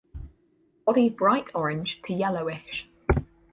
Body bright orange to yellowish.